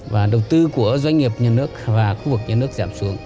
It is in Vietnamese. và đầu tư của doanh nghiệp nhà nước và khu vực nhà nước giảm xuống